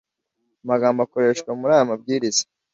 amagambo akoreshwa muri aya mabwiriza